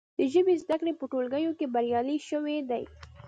د ژبې زده کړې په ټولګیو کې بریالۍ شوي دي.